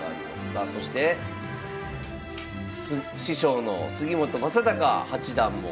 さあそして師匠の杉本昌隆八段も。